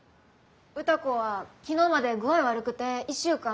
歌子は昨日まで具合悪くて１週間。